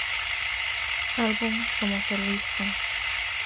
Album como solista